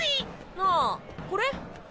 ああこれ？